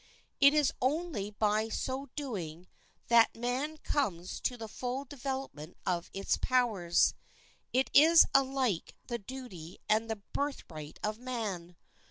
It is only by so doing that man comes to the full development of his powers. It is alike the duty and the birthright of man.